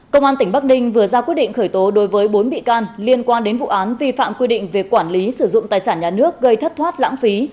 công an tỉnh bắc ninh vừa ra quyết định khởi tố đối với bốn bị can liên quan đến vụ án vi phạm quy định về quản lý sử dụng tài sản nhà nước gây thất thoát lãng phí